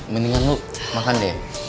mendingan lo makan deh